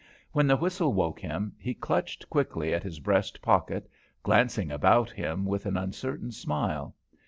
When the whistle woke him, he clutched quickly at his breast pocket, glancing about him with an uncertain smile.